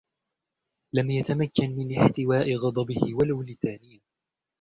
لم يتمكن من احتواء غضبه و لو لثانية.